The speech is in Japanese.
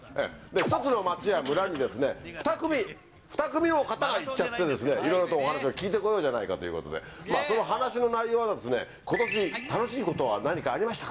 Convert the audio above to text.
１つの町や村に２組、２組の方が行っちゃって、いろいろとお話を聞いてこようじゃないかということで、その話の内容は、ことし、楽しいことは何かありましたか？